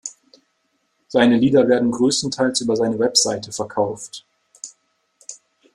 Seine Lieder werden größtenteils über seine Webseite verkauft.